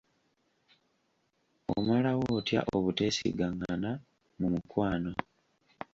Omalawo otya obuteesigangana mu mukwano?